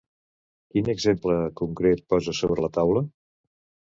Quin exemple concret posa sobre la taula?